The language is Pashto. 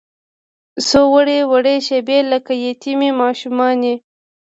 څووړې، وړې شیبې لکه یتیمې ماشومانې